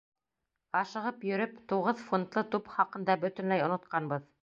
Ашығып йөрөп, туғыҙ фунтлы туп хаҡында бөтөнләй онотҡанбыҙ.